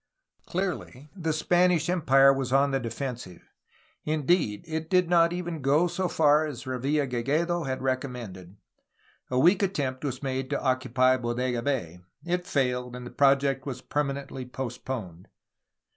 Clearly, the Spanish Empire was on the defensive. In deed, it did not even go so far as Revilla Gigedo had recom mended. A weak attempt was made to occupy Bodega Bay. It failed, and the project was permanently postponed.